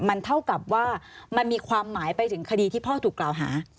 มันเท่ากับว่ามันมีความหมายไปถึงคดีที่พ่อถูกกล่าวหา